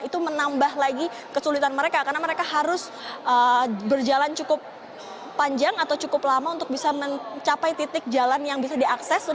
itu menambah lagi kesulitan mereka karena mereka harus berjalan cukup panjang atau cukup lama untuk bisa mencapai titik jalan yang bisa diakses